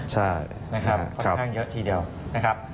ใช่นะครับค่อนข้างเยอะทีเดียวนะครับ